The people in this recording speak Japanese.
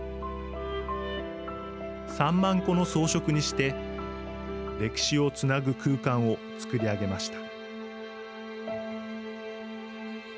３万個の装飾にして歴史をつなぐ空間を作り上げました。